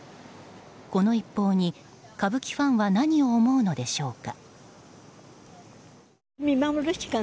この一報に歌舞伎ファンは何を思うのでしょうか。